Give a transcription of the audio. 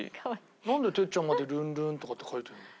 なんで哲ちゃんまで「ルンルン」とかって書いてるの？